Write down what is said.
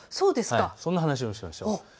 そんな話をしましょう。